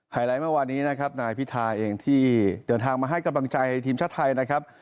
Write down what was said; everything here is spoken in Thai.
ไลท์เมื่อวานนี้นะครับนายพิธาเองที่เดินทางมาให้กำลังใจทีมชาติไทยนะครับ